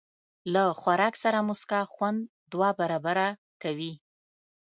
له خوراک سره موسکا، خوند دوه برابره کوي.